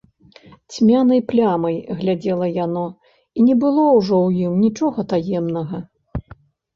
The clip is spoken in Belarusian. Цьмянай плямай глядзела яно, і не было ўжо ў ім нічога таемнага.